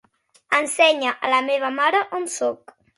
Ensenya a la meva mare on soc.